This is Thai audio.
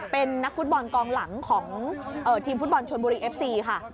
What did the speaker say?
เป็นนักฟุตบอลกองหลังของทีมฟุตบอลชนบุรีเอฟซีค่ะ